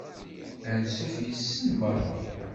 Ansuf yes-sen merra.